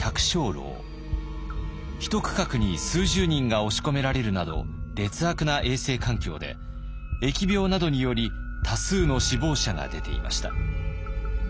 一区画に数十人が押し込められるなど劣悪な衛生環境で疫病などにより多数の死亡者が出ていました。